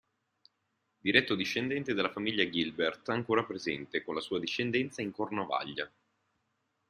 Diretto discendente della famiglia Gilbert ancora presente, con la sua discendenza, in Cornovaglia.